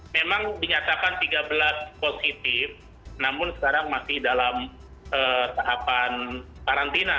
memang dinyatakan tiga belas positif namun sekarang masih dalam tahapan karantina